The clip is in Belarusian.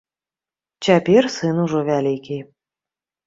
Цяпер сын ужо вялікі.